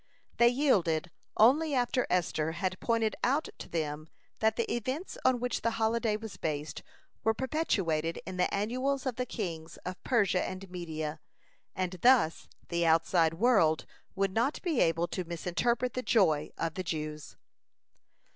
They yielded only after Esther had pointed out to them that the events on which the holiday was based, were perpetuated in the annals of the kings of Persia and Media, and thus the outside world would not be able to misinterpret the joy of the Jews.